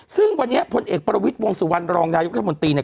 ซึ่งวันนี้พลเอกประวิทย์วงสุวรรณรองนายกรัฐมนตรีเนี่ย